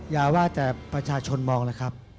อย่าว่าแต่ประชาชนมองนะครับ